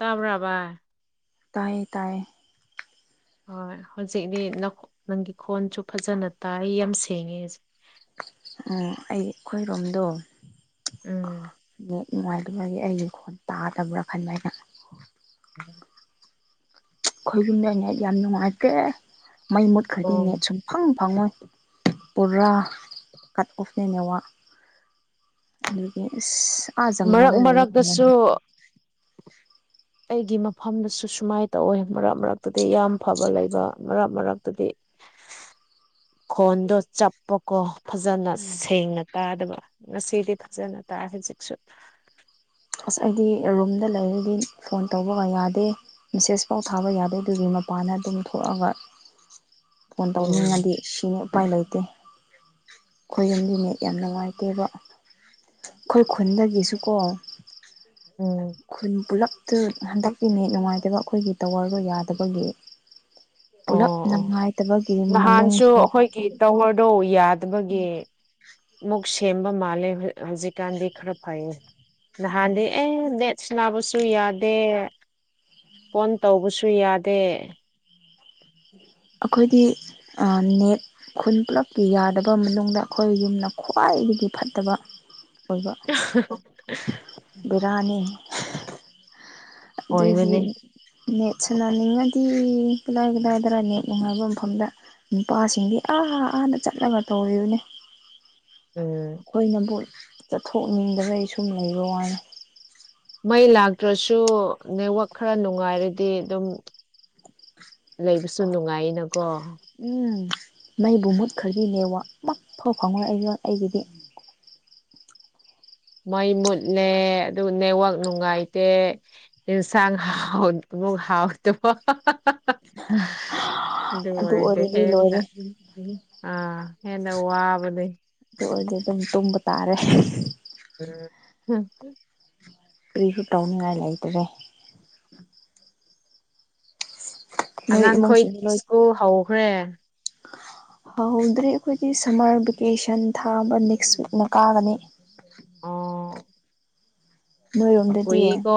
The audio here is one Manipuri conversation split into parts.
ꯇꯥꯕ꯭ꯔꯥ ꯚꯥꯏ ꯇꯥꯏꯌꯦ ꯇꯥꯏꯌꯦ ꯍꯣꯏ ꯍꯧꯖꯤꯛꯤ ꯅꯪꯒꯤ ꯈꯣꯟꯁꯨ ꯐꯖꯅ ꯇꯥꯏ ꯌꯥꯝ ꯁꯦꯡꯉꯦ ꯑꯣ ꯑꯩ ꯑꯩꯈꯣꯏꯔꯣꯝꯗꯣ ꯎꯝ ꯅꯨꯡꯉꯥꯏꯇꯕꯒꯤ ꯑꯩꯒꯤ ꯈꯣꯟ ꯇꯥꯗꯕ꯭ꯔꯥ ꯈꯟꯕ ꯍꯥꯏꯅ [inaudible] ꯈꯣꯏ ꯌꯨꯝꯗ ꯅꯦꯠ ꯌꯥꯝ ꯅꯨꯡꯉꯥꯏꯇꯦ ꯃꯩ ꯃꯨꯠꯈ꯭ꯔꯗꯤ ꯅꯦꯠ ꯑꯣ ꯁꯨꯝ ꯐꯪ ꯐꯪꯉꯣꯏ ꯄꯨꯔꯥ ꯀꯠ ꯑꯣꯐꯅꯦ ꯅꯦꯋꯥꯛ ꯑꯗꯨꯒꯤ ꯑꯁ ꯑꯥ ꯃꯔꯛ ꯖꯪꯒꯟꯗ ꯂꯩ ꯃꯔꯛꯇꯁꯨ [unintelligible] ꯑꯩꯒꯤ ꯃꯐꯝꯗꯁꯨ ꯁꯨꯃꯥꯏꯅ ꯇꯧꯋꯦ ꯃꯔꯛ ꯃꯔꯛꯇꯗꯤ ꯌꯥꯝ ꯐꯕ ꯂꯩꯕ ꯃꯔꯛ ꯃꯔꯛꯇꯗꯤ ꯈꯣꯟꯗꯣ ꯆꯞ ꯀꯣ ꯐꯖꯅ ꯎꯝ ꯁꯦꯡꯅ ꯇꯥꯗꯕ ꯉꯁꯤꯗꯤ ꯐꯖꯅ ꯇꯥ ꯍꯧꯖꯤꯛꯁꯨ ꯑꯁ ꯑꯩꯗꯤ ꯔꯨꯝꯗ ꯂꯩꯔꯗꯤ ꯐꯣꯟ ꯇꯧꯕꯒ ꯌꯥꯗꯦ ꯃꯦꯁꯦꯁ ꯄꯥꯎ ꯊꯥꯕ ꯌꯥꯗꯦ ꯑꯗꯨꯒꯤ ꯃꯄꯥꯟꯗ ꯑꯗꯨꯝ ꯊꯣꯛꯑꯒ ꯐꯣꯟ ꯎꯝ ꯇꯧꯅꯤꯡꯉꯗꯤ ꯁꯤꯅꯤ ꯎꯄꯥꯏ ꯂꯩꯇꯦ ꯑꯩꯈꯣꯏ ꯌꯨꯝꯒꯤꯅꯦ ꯌꯥꯝ ꯅꯨꯡꯉꯥꯏꯇꯦꯕ ꯑꯩꯈꯣꯏ ꯈꯨꯟꯗꯒꯤꯁꯨꯀꯣ ꯎꯝ ꯈꯨꯟ ꯄꯨꯂꯞ ꯍꯟꯗꯛꯇꯀꯤꯅꯦ ꯅꯨꯡꯉꯥꯏꯇꯕ ꯑꯩꯈꯣꯏꯒꯤ ꯇꯧꯔꯕ ꯌꯥꯗꯕꯒꯤ ꯄꯨꯂꯞ ꯑꯣ ꯅꯨꯡꯉꯥꯏꯇꯕꯒꯤ ꯃꯅꯨꯡꯁꯤꯗ ꯀ ꯇꯧꯍꯔꯗꯣ ꯌꯥꯗꯕꯒꯤ ꯃꯨꯛ ꯁꯦꯝꯕ ꯃꯥꯜꯂꯦ ꯍꯧꯖꯤꯛꯀꯥꯟꯗꯤ ꯈꯔ ꯐꯩꯌꯦ ꯅꯍꯥꯟꯗꯤ ꯑꯦ ꯗꯦꯠꯁꯅꯥꯕꯁꯨ ꯌꯥꯗꯦ ꯐꯣꯟ ꯇꯧꯕꯁꯨ ꯌꯥꯗꯦ ꯑꯩꯈꯣꯏꯗꯤ ꯅꯦꯠ ꯈꯨꯟ ꯄꯨꯂꯞꯀꯤ ꯌꯥꯗꯕ ꯃꯅꯨꯡꯗ ꯑꯩꯈꯣꯏ ꯌꯨꯝꯅ ꯈ꯭ꯋꯥꯏꯗꯒꯤ ꯐꯠꯇꯕ ꯑꯣꯏꯕ ꯕꯤꯔꯌꯥꯅꯤ ꯑꯗꯨꯗꯤ ꯑꯣꯏꯕꯅꯤ ꯅꯦꯠ ꯁꯅꯅꯤꯡꯉꯗꯤ ꯀꯗꯥ ꯀꯗꯥꯥꯏꯗꯔ ꯅꯦꯠ ꯅꯨꯡꯉꯥꯏꯕ ꯃꯐꯝꯗ ꯅꯨꯄꯥꯁꯤꯡꯗꯤ ꯑꯥ ꯑꯥꯥꯟꯅ ꯆꯠꯂꯒ ꯇꯧꯔꯤꯕꯅꯦ ꯎꯝ ꯑꯩꯈꯣꯏꯅꯕꯨ ꯆꯠꯊꯣꯛꯅꯤꯡꯗꯕꯩ ꯁꯨꯝ ꯂꯩꯔꯣ ꯋꯥꯅꯤ ꯃꯩ ꯂꯥꯛꯇ꯭ꯔꯁꯨ ꯅꯦꯠꯋꯛ ꯈꯔ ꯅꯨꯡꯉꯥꯏꯔꯗꯤ ꯑꯗꯨꯝ ꯂꯩꯕꯁꯨ ꯅꯨꯡꯉꯥꯏꯅꯀꯣ ꯎꯝ ꯃꯩꯕꯨ ꯃꯨꯠꯈ꯭ꯔꯒꯤꯅꯦ ꯋꯥ ꯃꯛꯐꯕ ꯐꯪꯉ ꯑꯩꯉꯣꯟ ꯑꯩꯒꯤꯗꯤ ꯃꯩ ꯃꯨꯠꯂꯦ ꯑꯗꯨꯒ ꯅꯦꯠꯋꯥꯛ ꯅꯨꯡꯉꯥꯏꯇꯦ ꯏꯟꯁꯥꯡ ꯍꯥꯎ ꯃꯒ ꯍꯥꯎ ꯇ ꯑꯗꯨ ꯑꯣꯏꯗꯤ ꯑꯣꯏꯔꯗꯤ ꯍꯦꯟꯅ ꯂꯣꯏꯔꯦ ꯑ ꯍꯟꯅ ꯋꯥꯕꯗꯤ ꯑꯗꯨꯔꯗꯤ ꯑꯗꯨꯝ ꯇꯨꯝꯕ ꯇꯥꯔꯦ ꯎꯝ ꯔꯤꯔꯤꯕ꯭ꯌꯨ ꯇꯧꯅꯤꯡꯉꯥꯏ ꯂꯩꯇ꯭ꯔꯦ ꯅꯣꯏ ꯑꯉꯥꯡꯈꯣꯏꯗꯤ ꯏꯃꯨꯡꯁꯤꯡꯗꯤ ꯂꯣꯏ ꯁ꯭ꯀꯨꯜ ꯍꯧꯈ꯭ꯔꯦ ꯐꯍꯧꯗ꯭ꯔꯦ ꯑꯩꯈꯣꯏꯒꯤ ꯁꯝꯃꯔ ꯚꯦꯀꯦꯁꯟ ꯊꯥꯕ ꯅꯦꯛꯁ ꯋꯤꯛꯅ ꯀꯥꯒꯅꯤ ꯑꯥ ꯅꯣꯏꯔꯣꯝꯗꯗꯤ ꯀꯨꯏꯌꯦꯀꯣ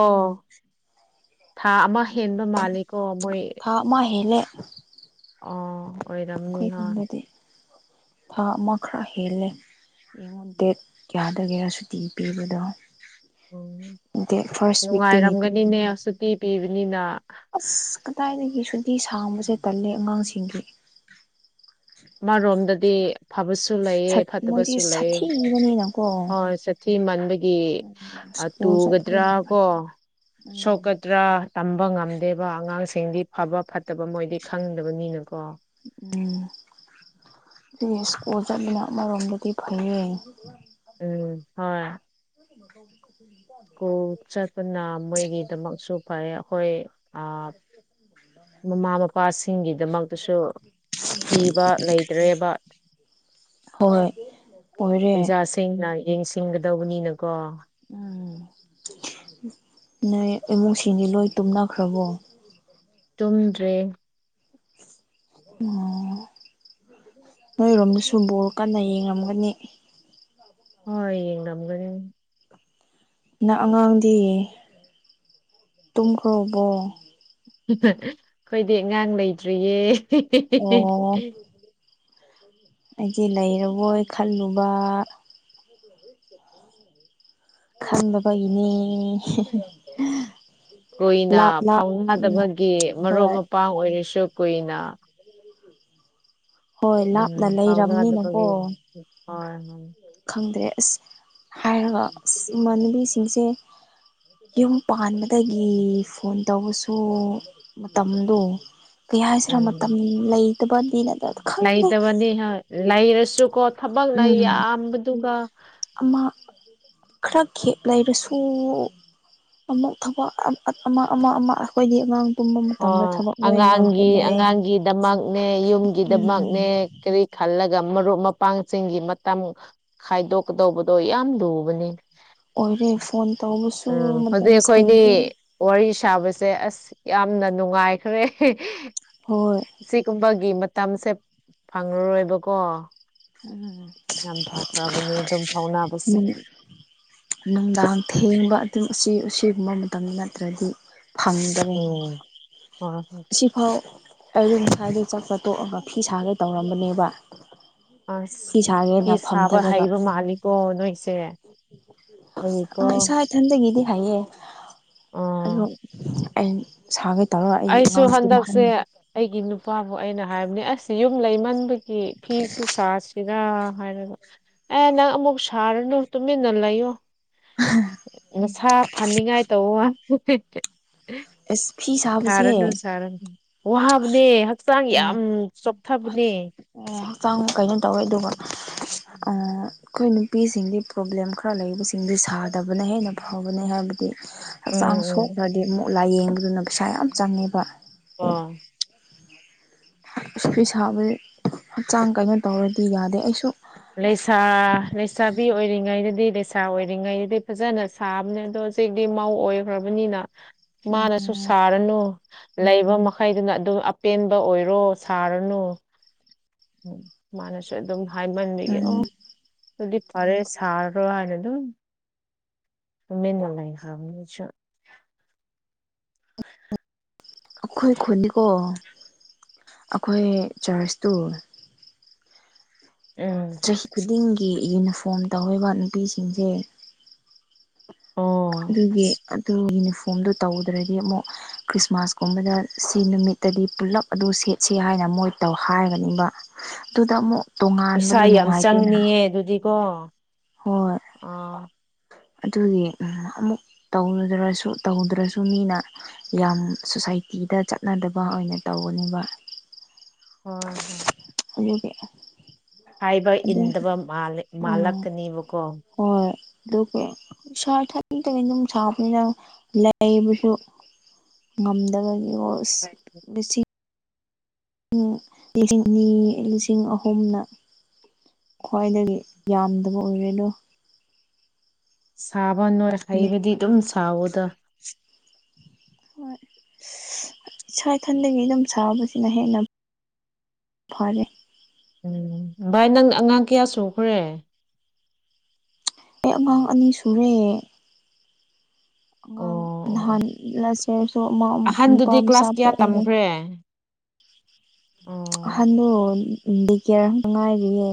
ꯊꯥ ꯑꯃ ꯍꯦꯟꯕ ꯃꯥꯜꯂꯤꯀꯣ ꯃꯣꯏ ꯃꯥꯍꯂꯦ ꯑ ꯑꯣꯏꯔꯝꯅꯤ ꯍ ꯑꯩꯈꯣꯏꯔꯣꯝꯗꯗꯤ ꯊꯥ ꯑꯃ ꯈꯔ ꯍꯦꯜꯂꯦ ꯌꯦꯡꯉꯣꯟ ꯗꯦꯠ ꯌꯥꯗꯒꯦꯔꯥ ꯁꯨꯇꯤ ꯄꯤꯕꯗꯣ ꯎꯝ ꯗꯦꯠ ꯐꯥꯔꯁ ꯋꯤꯛꯇꯒꯤ ꯅꯨꯡꯉꯥꯏꯔꯝꯒꯅꯤꯅꯦ ꯄꯤꯕꯅꯦ ꯁꯨꯇꯤ ꯄꯤꯕꯅꯤꯅ ꯑꯁ ꯀꯗꯥꯏꯗꯒꯤ ꯁꯨꯇꯤ ꯁꯥꯡꯕꯁꯦ ꯇꯜꯂꯦ ꯑꯉꯥꯡꯁꯤꯡꯒꯤ ꯃꯥꯔꯣꯝꯗꯗꯤ ꯐꯕꯁꯨ ꯂꯩꯑ ꯁꯛ ꯃꯣꯏꯗꯤ ꯐꯠꯇꯕꯁꯨ ꯂꯩꯑ ꯁꯥꯊꯤꯕꯅꯤꯅꯀꯣ ꯍꯣꯏ ꯁꯤ ꯃꯟꯕꯒꯤ ꯎꯝ ꯁ꯭ꯀꯨꯜ ꯇꯨꯒꯗ꯭ꯔꯥ ꯆꯠꯄꯅ ꯐꯩ ꯀꯣ ꯎꯝ ꯁꯣꯛꯀꯗ꯭ꯔꯥ ꯇꯝꯕ ꯉꯝꯗꯦꯕ ꯑꯉꯥꯡꯁꯤꯡꯗꯤ ꯐꯕ ꯐꯠꯇꯕ ꯃꯣꯏꯗꯤ ꯈꯪꯗꯕꯅꯤꯅꯀꯣ ꯎꯝ ꯑꯗꯨ ꯁ꯭ꯀꯨꯜ ꯆꯠꯂꯤꯅ ꯑꯃꯔꯣꯝꯗꯗꯤ ꯐꯩꯌꯦ ꯎꯝ ꯍꯣꯏ ꯁ꯭ꯀꯨꯜ ꯆꯠꯄꯅ ꯃꯣꯏꯒꯤꯗꯃꯛꯁꯨ ꯐꯩ ꯑꯩꯈꯣꯏ [unintelligible] ꯃꯃꯥ ꯃꯄꯥꯁꯤꯡꯒꯤꯗꯃꯛꯇꯁꯨ ꯀꯤꯕ ꯂꯩ ꯔꯦꯕꯥ ꯍꯣꯏ ꯑꯣꯏꯔꯦ ꯁꯦꯡꯅ ꯌꯦꯡꯁꯤꯟꯒꯗꯧꯕꯅꯤꯅꯀꯣ ꯎꯝ ꯅꯣꯏ ꯏꯃꯨꯡꯁꯤꯡꯗꯤ ꯂꯣꯏ ꯇꯨꯝꯅꯈ꯭ꯔꯕꯣ ꯇꯨꯝꯗ꯭ꯔꯦ ꯑꯣ ꯅꯣꯏꯔꯣꯝꯗꯁꯨ ꯕꯣꯔ ꯀꯟꯅ ꯌꯦꯡꯉꯝꯒꯅꯤ ꯍꯣꯏ ꯌꯦꯡ ꯉꯝꯒꯗꯤ ꯅ ꯑꯉꯥꯡꯗꯤ ꯇꯨꯝꯈ꯭ꯔꯕꯣ ꯑꯩꯈꯣꯏꯗꯤ ꯑꯉꯥꯡ ꯂꯩꯇ꯭ꯔꯤꯌꯦ ꯑꯣ ꯑꯩꯗꯤ ꯂꯩꯔꯕꯣꯏ ꯈꯜꯂꯨꯕ ꯈꯡꯗꯕꯒꯤꯅꯦ ꯀꯨꯏꯅ ꯐꯥꯎꯅꯗꯕꯒꯤ ꯃꯔꯨꯞ ꯍꯣꯏ ꯃꯄꯥꯡ ꯑꯣꯏꯔꯁꯨ ꯀꯨꯏꯅ ꯍꯣꯏ ꯂꯥꯞꯅ ꯎꯝ ꯂꯩꯔꯕꯅꯤꯅꯀꯣ ꯐꯥꯎꯅꯕꯗꯄꯒꯤ ꯈꯪꯗ꯭ꯔꯦ ꯑꯁ ꯍꯥꯏꯔꯒ ꯑꯁ ꯏꯃꯥꯟꯅꯕꯤꯁꯤꯡꯁꯦ ꯌꯨꯝ ꯄꯥꯟꯕꯗꯒꯤ ꯐꯣꯟ ꯇꯧꯕꯁꯨ ꯃꯇꯝꯗꯣ ꯀꯩ ꯍꯥꯏꯁꯤꯔꯥ ꯎꯝ ꯃꯇꯝ ꯂꯩꯇꯕꯗꯤ ꯅꯠꯇꯕ ꯂꯩꯇꯕꯅꯤ ꯂꯩꯔꯁꯨꯀꯣ ꯊꯕꯛꯅ ꯎꯝ ꯌꯥꯝꯕꯗꯨꯒ ꯑꯃ ꯈꯔ [unintelligible] ꯂꯩꯔꯁꯨ ꯑꯃꯨꯛ ꯊꯕꯛ ꯑꯃ-ꯑꯃ-ꯑꯃ ꯑꯩꯈꯣꯏꯗꯤ ꯑꯉꯥꯡ ꯇꯨꯝꯕ ꯃꯇꯝꯗ ꯑꯣ ꯊꯕꯛ ꯂꯣꯏꯅ ꯑꯉꯥꯡꯒꯤ ꯍꯣꯠꯅꯩ ꯑꯉꯥꯡꯒꯤꯗꯃꯛꯅꯦ ꯎꯝ ꯌꯨꯝꯒꯤꯗꯃꯛꯅꯦ ꯀꯔꯤ ꯈꯜꯂꯒ ꯃꯔꯨꯞ ꯃꯄꯥꯡꯁꯤꯡꯒꯤ ꯃꯇꯝ ꯈꯥꯏꯗꯣꯛꯀꯗꯧꯕꯗꯣ ꯌꯥꯝ ꯂꯨꯕꯅꯤ ꯑꯣꯏꯔꯦ ꯐꯣꯟ ꯇꯧꯕꯁꯨ ꯎꯝ ꯍꯧꯖꯤꯛ ꯃꯇꯝ ꯑꯩꯈꯣꯏꯅꯤ ꯁꯥꯡꯗꯦ ꯋꯥꯔꯤ ꯁꯥꯕꯁꯦ ꯑꯁ ꯌꯥꯝꯅ ꯅꯨꯡꯉꯥꯏꯈ꯭ꯔꯦ ꯍꯣꯏ ꯁꯤꯒꯨꯝꯕꯒꯤ ꯃꯇꯝꯁꯦ ꯐꯪꯪꯂꯔꯣꯏꯕꯀꯣ ꯎꯝ ꯌꯥꯝ ꯐꯈ꯭ꯔꯕꯅꯦ ꯑꯗꯨꯝ ꯐꯥꯎꯅꯕꯁꯦ ꯅꯨꯡꯗꯥꯡ ꯊꯦꯡꯕ ꯑꯗꯨꯝ ꯑꯁꯤꯒꯨꯝꯕ ꯃꯇꯝꯗ ꯅꯠꯇ꯭ꯔꯗꯤ ꯐꯪ ꯎꯝ ꯍꯣꯏ ꯍꯣꯏ ꯁꯤꯐꯥꯎ ꯑꯩꯗꯨ ꯉꯁꯥꯏꯗ ꯆꯠꯄ ꯇꯣꯛꯑꯒ ꯐꯤ ꯁꯥꯒ ꯇꯧꯔꯝꯕꯅꯦꯕ ꯐꯤ ꯑꯁ ꯐꯤ ꯁꯥꯒꯦꯅ ꯁꯥꯕ ꯐꯝꯊꯔꯒ ꯍꯩꯕ ꯃꯥꯜꯂꯤꯀꯣ ꯅꯣꯏꯁꯦ ꯑꯩꯀꯣ ꯏꯊꯟꯗꯒꯤꯗꯤ ꯍꯥꯏꯌꯦ ꯑꯥ ꯑꯗꯣ ꯑꯩ ꯁꯥꯈꯩ ꯇꯧꯔꯒ ꯑꯩꯁꯨ ꯑꯉꯥꯡꯇꯨꯝꯍꯥꯟ ꯍꯟꯗꯛꯁꯦ ꯑꯩꯒꯤ ꯅꯨꯄꯥꯕꯨ ꯑꯩꯅ ꯍꯥꯏꯕꯅꯦ ꯑꯁ ꯌꯨꯝ ꯂꯩꯃꯟꯕꯒꯤ ꯐꯤꯁꯨ ꯁꯥ ꯑ ꯍꯥꯏꯔꯒ ꯑꯦ ꯅꯪ ꯑꯃꯨꯛ ꯁꯥꯔꯅꯨ ꯇꯨꯃꯤꯟꯅ ꯂꯩꯌꯣ ꯃꯁꯥ ꯐꯅꯤꯡꯉꯥꯏ ꯇꯧ ꯑꯦꯁ ꯐꯤꯁ ꯁꯥꯔꯅꯨ ꯁꯥꯔꯅꯨ ꯋꯥꯕꯅꯦ ꯍꯛꯆꯥꯡ ꯑꯥ ꯌꯥꯝ ꯆꯣꯊꯕꯅꯦ ꯑꯣ ꯍꯛꯆꯥꯡ ꯀꯩꯅꯣ ꯇꯧꯋꯦ ꯑꯗꯨꯒ ꯑꯩꯈꯣꯏ ꯅꯨꯄꯤꯁꯤꯡꯗꯤ ꯄ꯭ꯔꯣꯕ꯭ꯂꯦꯝ ꯈꯔ ꯂꯩꯕꯁꯤꯡꯗꯤ ꯁꯥꯗꯕꯅ ꯍꯦꯟꯅ ꯐꯕꯅꯦ ꯍꯥꯏꯕꯗꯤ ꯍꯛꯆꯥꯡ ꯑꯣ ꯁꯣꯛꯈ꯭ꯔꯗꯤ ꯃꯨꯛ ꯂꯥꯏꯌꯦꯡꯕꯗꯨꯅ ꯄꯩꯁꯥ ꯌꯥꯝ ꯆꯪꯉꯦꯕ ꯍꯣꯏ ꯄꯤ ꯁꯥꯕꯗꯤ ꯍꯛꯆꯥꯡ ꯀꯩꯅꯣ ꯇꯧꯔꯗꯤ ꯌꯥꯗꯦ ꯑꯩꯁꯨ ꯂꯩꯁꯥ ꯂꯩꯁꯥꯕꯤ ꯑꯣꯏꯔꯤꯉꯩꯗꯗꯤ ꯂꯩꯁꯥ ꯑꯣꯏꯔꯤꯉꯩꯗꯗꯤ ꯐꯖꯅ ꯁꯥꯕꯅꯦ ꯑꯗꯣ ꯍꯧꯖꯤꯛꯇꯤ ꯃꯧ ꯑꯣꯏꯈ꯭ꯔꯕꯅꯤꯅ ꯃꯥꯅꯁꯨ ꯁꯥꯔꯅꯨ ꯂꯩꯕ ꯃꯈꯩꯗꯨꯅ ꯑꯗꯨꯝ ꯑꯄꯦꯟꯕ ꯑꯣꯏꯔꯣ ꯁꯥꯔꯅꯨ ꯃꯥꯅꯁꯨ ꯑꯗꯨꯝ ꯍꯏꯃꯟꯒꯤ ꯎꯝ ꯑꯣ ꯑꯗꯨꯗꯤ ꯐꯔꯦ ꯁ꯭ꯔꯣꯏ ꯍꯥꯏꯅꯤ ꯑꯗꯨꯝ ꯇꯨꯃꯤꯟꯅ ꯂꯩꯈ꯭ꯔꯕꯅꯤ ꯑꯩꯁꯨ ꯑꯩꯈꯣꯏ ꯈꯨꯟꯅꯤꯀꯣ ꯑꯩꯈꯣꯏ ꯆꯥꯔꯖꯇꯣ ꯎꯝ ꯆꯍꯤ ꯈꯨꯗꯤꯡꯒꯤ ꯌꯨꯅꯤꯐꯣꯔꯝ ꯇꯧꯔꯤꯕ ꯅꯨꯄꯤꯁꯤꯡꯁꯦ ꯑꯣ ꯑꯗꯨꯒꯤ ꯑꯁ ꯑꯗꯨ ꯌꯨꯅꯤꯐꯣꯔꯝꯗꯨ ꯇꯧꯗ꯭ꯔꯗꯤ ꯑꯃꯨꯛ ꯈ꯭ꯔꯤꯁꯃꯥꯁꯀꯨꯝꯕꯗ ꯁꯤ ꯅꯨꯃꯤꯠꯇꯗꯤ ꯄꯨꯂꯞ ꯑꯗꯨ ꯁꯦꯠꯁꯤ ꯍꯥꯏꯅ ꯃꯣꯏ ꯇꯧ ꯍꯥꯏꯒꯅꯤꯕ ꯑꯗꯨꯗ ꯑꯃꯨꯛ ꯄꯩꯁꯥ ꯇꯣꯉꯥꯟꯕꯗꯣ ꯌꯥꯝ ꯅꯨꯡꯉꯥꯏꯇꯦꯅ ꯆꯪꯅꯤꯌꯦ ꯑꯗꯨꯗꯤꯀꯣ ꯍꯣꯏ ꯑꯣ ꯑꯗꯨꯗꯤ ꯑꯃꯨꯛ ꯇꯧꯗ꯭ꯔꯁꯨ-ꯇꯧꯗ꯭ꯔꯁꯨ ꯃꯤꯅ ꯌꯥꯝ ꯁꯣꯁꯥꯏꯇꯤꯗ ꯆꯠꯅꯗꯕ ꯑꯣꯏꯅ ꯇꯧꯒꯅꯦꯕ [unintelligible] [unintelligible] ꯍꯥꯏꯕ ꯑꯗꯨꯝ ꯏꯟꯗꯕ ꯎꯝ ꯃꯥꯜꯂꯛꯀꯅꯦꯕꯀꯣ ꯍꯣꯏ ꯑꯗꯨ ꯀ ꯁꯥ ꯑꯗꯨꯝ ꯁꯥꯕꯅꯤꯅ ꯂꯩꯕꯁꯨ ꯉꯝꯗꯕꯒꯤ [unintelligible] ꯂꯤꯁꯤꯡ ꯑꯅꯤ ꯂꯤꯁꯤꯡ ꯑꯍꯨꯝꯅ ꯈ꯭ꯋꯥꯏꯗꯒꯤ ꯌꯥꯝꯗꯕ ꯑꯣꯏꯔꯅꯨ ꯁꯥꯕ ꯅꯣꯏ ꯍꯩꯕꯗꯤ ꯑꯗꯨꯝ ꯁꯋꯣꯗ ꯍꯣꯏ ꯏꯁꯥ ꯏꯊꯟꯗꯒꯤ ꯑꯗꯨꯝ ꯁꯥꯕꯁꯤꯅ ꯍꯦꯟꯅ ꯐꯔꯦ ꯎꯝ ꯚꯥꯏ ꯅꯪ ꯑꯉꯥꯡ ꯀꯌꯥ ꯁꯨꯈ꯭ꯔꯦ ꯑꯦꯛ ꯑꯉꯥꯡ ꯑꯅꯤ ꯁꯨꯔꯦ ꯑꯣ ꯑꯉꯥꯡ ꯑꯣ ꯑꯣ ꯅꯍꯥꯟꯂꯁꯔꯁꯨ ꯑꯃ ꯅꯨꯄꯥ ꯑꯍꯟꯗꯨꯗꯤ ꯑꯃ ꯁꯥ ꯀ꯭ꯂꯥꯁ ꯀꯌꯥ ꯄꯣꯛꯑꯦ [unintelligible] ꯑꯣ ꯍꯜꯂꯣ ꯀꯦꯔꯉꯥꯏꯔꯤꯌꯦ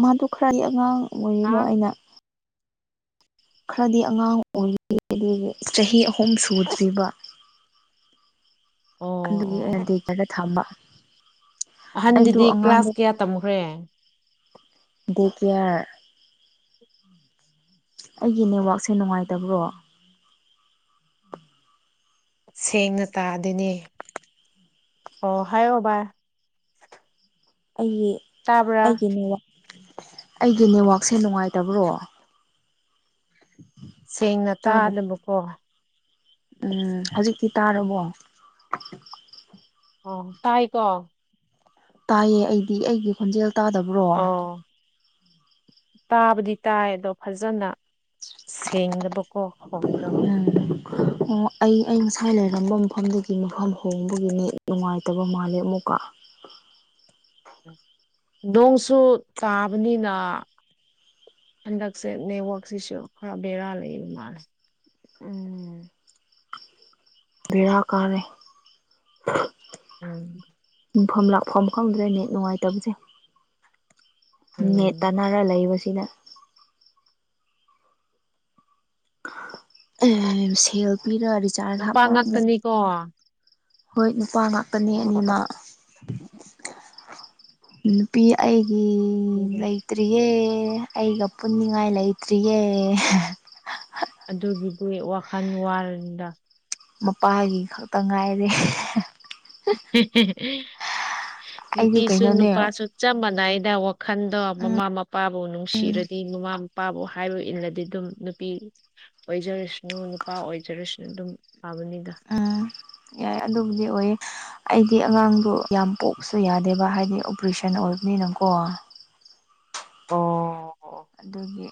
ꯃꯥꯗꯨ ꯈꯔꯗꯤ ꯑꯉꯥꯡ ꯑꯣꯏꯔꯤꯕ ꯍꯥ ꯑꯩꯅ ꯈꯔꯗꯤ ꯑꯉꯥꯡ ꯑꯣꯏꯔꯤ ꯑꯗꯒꯤ ꯆꯍꯤ ꯑꯍꯨꯝ ꯁꯨꯗ꯭ꯔꯤꯕ ꯑꯣ ꯑꯗꯨꯒꯤ ꯑꯣ ꯑꯗ ꯑꯣ ꯈꯔ ꯊꯝꯕ ꯑꯩꯗꯣ ꯑꯍꯟꯗꯨꯗꯤ ꯀ꯭ꯂꯥꯁ ꯑꯉꯥꯡꯗꯣ ꯀꯌꯥ ꯇꯝꯈ꯭ꯔꯦ [unintelligible] ꯑꯩꯒꯤ ꯅꯦꯠꯋꯥꯛꯁꯦ ꯅꯨꯡꯉꯥꯏꯇꯕ꯭ꯔꯣ ꯁꯦꯡꯅ ꯇꯥ ꯑꯗꯨꯅꯦ ꯑꯣ ꯍꯥꯏꯌꯣ ꯚꯏ ꯑꯩꯒꯤ ꯇꯥꯕ꯭ꯔꯥ ꯑꯩꯒꯤ ꯅꯦꯠꯋꯥꯛ ꯑꯩꯒꯤ ꯅꯦꯠꯋꯥꯛꯁꯦ ꯅꯨꯡꯉꯥꯏꯇꯕ꯭ꯔꯣ ꯁꯦꯡꯅ ꯇꯥꯗꯕ ꯇꯥꯗꯅꯕꯀꯣ ꯎꯝ ꯍꯧꯖꯤꯛꯇꯤ ꯇꯥꯔꯕꯣ ꯑꯣ ꯇꯥꯏꯀꯣ ꯇꯥꯏꯌꯦ ꯑꯩꯗꯤ ꯑꯩꯒꯤ ꯈꯣꯟꯖꯦꯜ ꯇꯥꯗꯕ ꯑꯣ ꯇꯥꯕꯨꯗꯤ ꯇꯥꯏ ꯑꯗꯣ ꯐꯖꯅ ꯁꯦꯡꯗꯕꯀꯣꯈꯣꯡꯗ ꯎꯝ ꯑꯣ ꯑꯩ ꯑꯩ ꯉꯁꯥꯏ ꯂꯩꯔꯝꯕ ꯃꯐꯝꯗꯒꯤ ꯃꯐꯝ ꯍꯣꯡꯕꯒꯤꯅꯤ ꯅꯨꯡꯉꯥꯏꯇꯕ ꯃꯥꯜꯂꯦ ꯑꯃꯨꯛꯀ ꯅꯣꯡꯁꯨ ꯇꯥꯕꯅꯤꯅ ꯍꯟꯗꯛꯁꯦ ꯅꯦꯠꯋꯛꯁꯤꯁꯨ ꯈꯔ ꯕꯦꯔꯥ ꯂꯩꯌꯦ ꯃꯥꯜꯂꯦ ꯎꯝ ꯕꯤꯔꯥ ꯀꯥꯔꯦ [unintelligible] ꯌꯐꯝ ꯂꯥꯛꯐꯝ ꯈꯪꯗꯨꯗꯅꯦ ꯅꯨꯡꯉꯥꯏꯇꯕꯁꯦ ꯅꯦ ꯎꯝ ꯇꯅꯔ ꯂꯩꯕꯁꯤꯅ ꯁꯦꯜ ꯄꯤꯔꯥ ꯅꯨꯄꯥ ꯉꯥꯛꯇꯅꯤꯀꯣ ꯍꯣꯏ ꯅꯨꯄꯥ ꯉꯥꯛꯇꯅꯦ ꯑꯅꯤꯃ ꯅꯨꯄꯤ ꯑꯩꯒꯤ ꯑꯩ ꯂꯩꯇ꯭ꯔꯤꯌꯦ ꯑꯩꯒ ꯄꯨꯟꯅꯤꯡꯉꯥꯏ ꯂꯩꯇ꯭ꯔꯤꯌꯦ ꯑꯗꯨꯒꯤꯗꯤ ꯋꯥꯈꯜ ꯋꯥꯔꯅꯤꯗ ꯃꯄꯥꯒꯤ ꯈꯛꯇ ꯉꯥꯏꯔꯦ ꯑꯩꯗꯤ ꯅꯨꯄꯤꯁꯨ ꯀꯩꯅꯣꯅꯦ ꯅꯨꯄꯥꯁꯨ ꯆꯞ ꯃꯥꯟꯅꯩꯗ ꯋꯥꯈꯜꯗꯣ ꯃꯃꯥ ꯃꯄꯥꯕꯨ ꯅꯨꯡꯁꯤꯔꯗꯤ ꯃꯃꯥ ꯃꯄꯥꯕꯨ ꯍꯥꯏꯕ ꯏꯜꯂꯗꯤ ꯑꯗꯨꯝ ꯅꯨꯄꯤ ꯑꯣꯏꯖꯔꯁꯅꯨ ꯅꯨꯄꯥ ꯑꯣꯏꯖꯔꯨꯁꯅꯨ ꯑꯗꯨꯝ ꯄꯥꯕꯅꯤꯗ ꯎꯝ ꯌꯥꯏ ꯑꯗꯨꯕꯨꯗꯤ ꯑꯣꯏ ꯑꯩꯗꯤ ꯑꯉꯥꯡꯗ ꯌꯥꯝ ꯄꯣꯛꯁꯨ ꯌꯥꯗꯦꯕ ꯍꯥꯏꯗꯤ ꯑꯣꯄꯔꯦꯁꯟ ꯑꯣꯏꯕꯅꯤꯅꯀꯣ ꯑꯣ ꯑꯗꯨꯒꯤ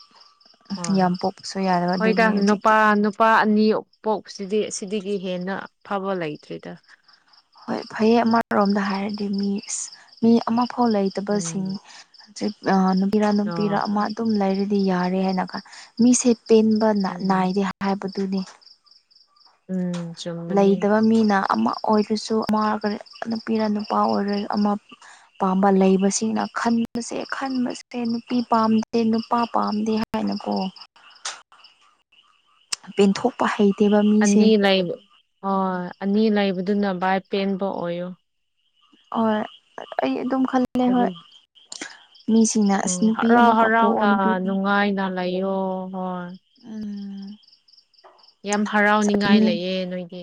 ꯍꯣꯏ ꯌꯥꯝ ꯄꯣꯛꯄꯁꯨ ꯌꯥꯗꯕ ꯑꯗꯨꯒꯤ ꯍꯧꯖꯤꯛꯇꯤ ꯂꯨꯄꯥ ꯑꯅꯤ ꯑ ꯄꯣꯛꯁꯤꯗꯤ ꯁꯤꯗꯒꯤ ꯍꯦꯟꯅ ꯐꯕ ꯂꯩꯇ꯭ꯔꯤꯗ ꯍꯣꯏ ꯐꯩꯌꯦ ꯑꯃꯔꯣꯝꯗ ꯍꯥꯏꯔꯗꯤ ꯃꯤ ꯃꯤ ꯑꯃꯐꯥꯎ ꯂꯩꯇꯕꯁꯤꯡ ꯎꯝ ꯅꯨꯄꯤꯔ ꯅꯨꯄꯤꯔ ꯑ ꯑꯃ ꯑꯗꯨꯝ ꯂꯩꯔꯗꯤ ꯌꯥꯔꯦ ꯍꯥꯏꯅ ꯀ ꯃꯤꯁꯦ ꯄꯦꯟꯕ ꯎꯝ ꯅꯥꯏꯔꯦ ꯍꯥꯏꯕꯗꯨꯅꯤ ꯎꯝ ꯆꯨꯝꯕꯅꯤ ꯂꯩꯇꯕ ꯃꯤꯅ ꯑꯃ ꯑꯣꯏꯔꯁꯨ ꯑꯃ ꯑꯣꯏ ꯅꯨꯄꯤꯅ ꯅꯨꯄꯥ ꯑꯣꯏꯔꯣꯏ ꯑꯃ ꯑꯄꯥꯝꯕ ꯂꯩꯕꯁꯤꯡꯅ ꯈꯟꯕꯁꯦ ꯈꯟꯕꯁꯦ ꯅꯨꯄꯤ ꯄꯥꯝꯗꯦ ꯅꯨꯄꯥ ꯄꯥꯝꯗꯦ ꯍꯥꯏ ꯀꯃꯥꯏꯅꯀꯣ ꯄꯦꯟꯊꯣꯛꯄ ꯍꯩꯇꯦꯕ ꯑꯅꯤ ꯃꯤꯁꯦ ꯂꯩꯕ ꯍ ꯑꯅꯤ ꯂꯩꯕꯗꯨꯅ ꯚꯥꯏ ꯄꯦꯟꯕ ꯑꯣꯏꯌꯣ ꯍꯣꯏ ꯑꯩ ꯑꯗꯨꯝ ꯈꯜꯂꯂꯦ ꯍꯣꯏ ꯃꯤꯁ ꯎ ꯍꯔꯥꯎ ꯍꯔꯥꯎꯅ ꯅꯨꯡꯉꯥꯏꯅ ꯂꯩꯌꯣ ꯍꯣꯏ ꯎ ꯌꯥꯝ ꯍꯔꯥꯎꯅꯤꯉꯥꯏ ꯂꯩꯌꯦ ꯅꯣꯏꯒꯤ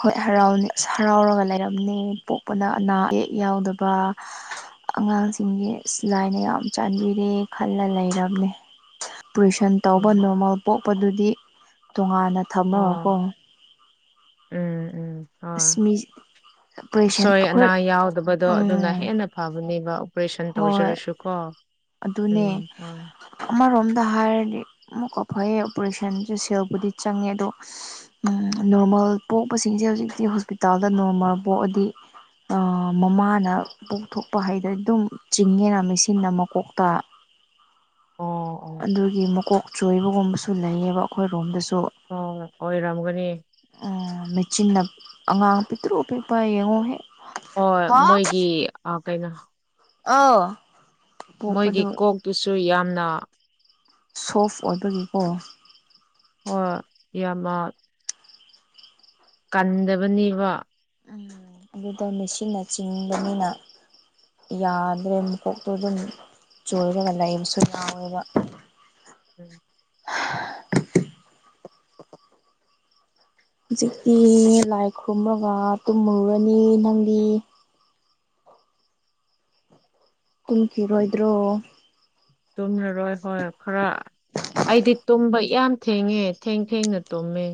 ꯍꯣꯏ ꯍꯔꯥꯎꯅꯤ ꯑꯁ ꯍꯔꯥꯎꯔꯒ ꯂꯩꯔꯝꯅꯦ ꯄꯣꯛꯄꯅ ꯑꯅꯥ ꯑ ꯑꯌꯦꯛ ꯌꯥꯎꯗꯕ ꯑꯉꯥꯡꯁꯤꯡꯒꯤꯁ ꯂꯥꯏꯅ ꯌꯥꯝ ꯆꯥꯟꯕꯤꯔꯦ ꯈꯜꯂ ꯂꯩꯔꯕꯅꯦ ꯑꯣꯄꯔꯦꯁꯟ ꯇꯧꯕ ꯎꯝ ꯅꯣꯔꯃꯦꯜ ꯄꯣꯛꯄꯗꯨꯗꯤ ꯇꯣꯉꯥꯟꯅ ꯊꯝꯃꯀꯣ ꯑꯣ ꯎꯝ ꯎꯝ ꯍꯣꯏ ꯑꯁꯃꯤ ꯑꯁꯣꯏ ꯑꯅꯥ ꯌꯥꯎꯗꯕꯗꯣ ꯑꯗꯨꯅ ꯎꯝ ꯍꯦꯟꯅ ꯐꯕꯅꯦꯕ ꯑꯣꯄꯔꯦꯁꯟ ꯍꯣꯏ ꯇꯧꯖꯔꯁꯨ ꯀꯣ ꯑꯗꯨꯅꯦ ꯑꯃꯔꯣꯝꯗ ꯍꯥꯏꯔꯗꯤ ꯑꯃꯨꯛꯀ ꯐꯩꯌꯦ ꯑꯣꯄꯔꯦꯁꯟꯁꯦ ꯁꯦꯜꯕꯨꯗꯤ ꯆꯪꯉꯦ ꯑꯗꯣ ꯅꯣꯔꯃꯦꯜ ꯄꯣꯛꯄꯁꯤꯡꯁꯦ ꯍꯧꯖꯤꯛꯇꯤ ꯍꯣꯁꯄꯤꯇꯥꯜꯗ ꯅꯣꯔꯃꯦꯜ ꯄꯣꯛꯑꯗꯤ ꯃꯃꯥꯅ ꯄꯣꯛꯊꯣꯛꯄ ꯍꯩꯗ ꯑꯗꯨꯝ ꯆꯤꯡꯉꯦꯅ ꯃꯦꯆꯤꯟꯟꯅ ꯃꯀꯣꯛꯇ ꯑꯣ ꯑꯣ ꯑꯗꯨꯒꯤ ꯃꯀꯣꯛ ꯆꯣꯏꯕꯒꯨꯝꯕꯁꯨ ꯂꯩꯌꯦꯕ ꯑꯩꯈꯣꯏꯔꯣꯝꯗꯁꯨ ꯍ ꯑꯣꯏꯔꯝꯒꯅꯤ ꯃꯦꯆꯤꯟꯅ ꯑꯉꯥꯡ ꯄꯤꯛꯇ꯭ꯔꯨꯛ ꯑ ꯄꯤꯛꯄ ꯌꯦꯡꯉꯣ ꯍꯦꯛ ꯍ ꯍꯥ ꯃꯣꯏꯒꯤ ꯀꯩꯅꯣ ꯑꯥ ꯃꯣꯏꯒꯤ ꯀꯣꯛꯇꯨꯁꯨ ꯌꯥꯝꯅ ꯁꯣꯐ ꯑꯣꯏꯕꯒꯤꯀꯣ ꯍꯣꯏ ꯌꯥꯝꯃ ꯀꯟꯗꯕꯅꯦꯕ ꯎꯝ ꯑꯗꯨꯗꯣ ꯃꯦꯁꯤꯟꯅ ꯆꯤꯡꯕꯅꯤꯅ ꯌꯥꯗ꯭ꯔꯦ ꯃꯀꯣꯛꯇꯣ ꯑꯗꯨꯝ ꯆꯣꯏꯔꯒ ꯂꯩꯕꯁꯨ ꯂꯥꯎꯋꯦꯕ ꯎꯝ [unintelligible] ꯍꯧꯖꯤꯛꯇꯤ ꯂꯥꯏ ꯈꯨꯔꯨꯝꯃꯒ ꯇꯨꯝꯃꯨꯔꯅꯤ ꯅꯪꯗꯤ ꯀꯨꯝꯈꯤꯔꯣꯏꯗ꯭ꯔꯣ ꯇꯨꯝꯅꯔꯣꯏ ꯍꯣꯏ ꯈꯔ ꯑꯩꯗꯤ ꯇꯨꯝꯕ ꯌꯥꯝ ꯊꯦꯡꯉꯦ ꯊꯦꯡ ꯊꯦꯡꯅ ꯇꯨꯝꯃꯦ